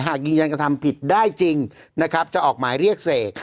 หากยืนยันกระทำผิดได้จริงนะครับจะออกหมายเรียกเสก